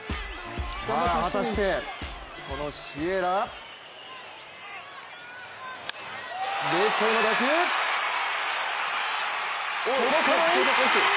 さあ果たして、そのシエラレフトへの打球、届かない！